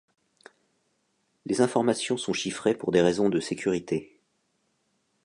Les informations sont chiffrées pour des raisons de sécurité.